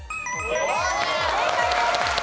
正解です。